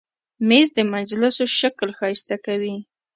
مېز د مجلسو شکل ښایسته کوي.